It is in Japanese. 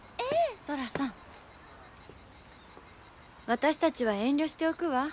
私たちは遠慮しておくわ。